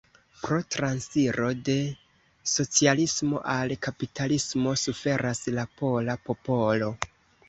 Pro transiro de socialismo al kapitalismo suferas la pola popolo.